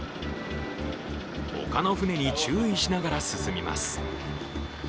ほかの船に注意しながら進みます。